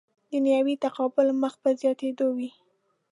دنیوي تقابل مخ په زیاتېدو وي.